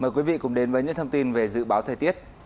mời quý vị cùng đến với những thông tin về dự báo thời tiết